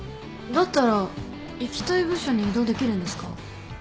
だったら行きたい部署に異動できるんですか？